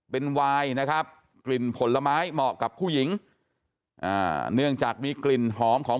เป็นวายนะครับกลิ่นผลไม้เหมาะกับผู้หญิงเนื่องจากมีกลิ่นหอมของ